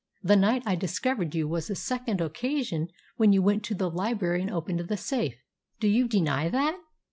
The night I discovered you was the second occasion when you went to the library and opened the safe. Do you deny that?"